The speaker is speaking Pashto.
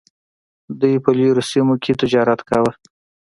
دوی په لرې سیمو کې تجارت کاوه.